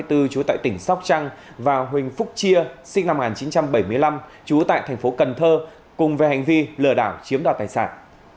trú tại tỉnh sóc trăng và huỳnh phúc chia sinh năm một nghìn chín trăm bảy mươi năm trú tại thành phố cần thơ cùng về hành vi lừa đảo chiếm đoạt tài sản